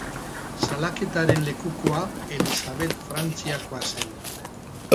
Salaketaren lekukoa Elisabet Frantziakoa zen.